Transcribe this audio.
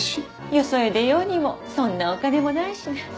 よそへ出ようにもそんなお金もないしね